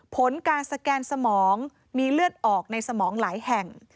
ผลการสแกนสมองมีเลือดออกในสมองหลายแห่ง